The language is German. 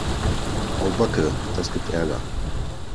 Au backe, das gibt Ärger.